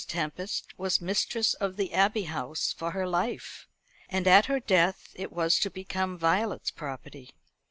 Tempest was mistress of the Abbey House for her life; and at her death it was to become Violet's property.